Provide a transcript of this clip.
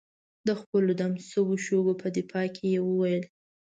د خپلو دم شوو شګو په دفاع کې یې وویل.